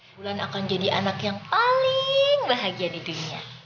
bulan akan jadi anak yang paling bahagia di dunia